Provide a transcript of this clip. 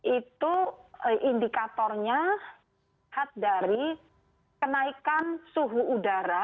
itu indikatornya dari kenaikan suhu udara